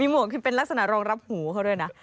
หวกคือเป็นลักษณะรองรับหูเขาด้วยนะ